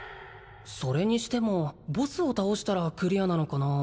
それにしてもボスを倒したらクリアなのかな